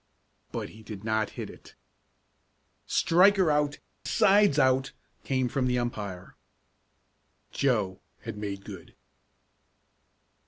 But he did not hit it. "Striker out side's out!" came from the umpire. Joe had made good.